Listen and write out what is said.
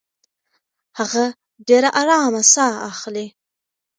هغه ډېره ارامه ساه اخلي.